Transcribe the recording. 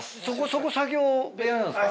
そこ作業部屋なんですか？